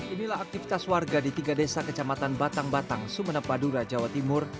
inilah aktivitas warga di tiga desa kecamatan batang batang sumeneb madura jawa timur